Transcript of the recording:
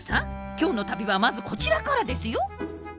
今日の旅はまずこちらからですよ。